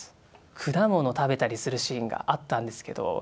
果物食べたりするシーンがあったんですけど。